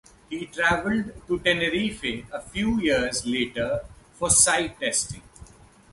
He travelled to Tenerife a few years later for site testing.